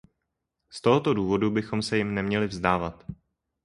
Z tohoto důvodu bychom se jim neměli vzdávat.